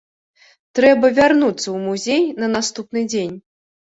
Трэба вярнуцца ў музей на наступны дзень.